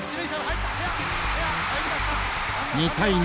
２対２。